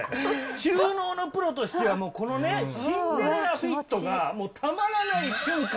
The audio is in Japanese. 収納のプロとしては、このね、シンデレラフィットが、もうたまらない瞬間。